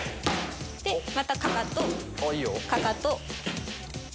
でまたかかとかかと。